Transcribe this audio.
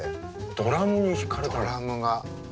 ドラムに引かれたの？ドラムが。